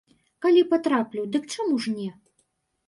Калі патраплю, дык чаму ж не?